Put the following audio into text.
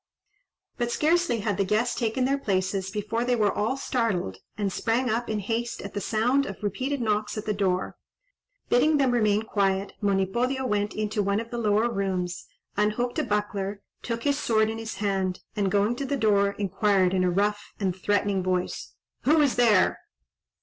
But scarcely had the guests taken their places, before they were all startled, and sprang up in haste at the, sound of repeated knocks at the door. Bidding them remain quiet, Monipodio went into one of the lower rooms, unhooked a buckler, took his sword in his hand, and, going to the door, inquired, in a rough and threatening voice, "Who is there?"